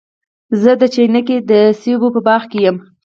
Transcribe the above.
زه د چنګۍ د سېبو په باغ کي یم.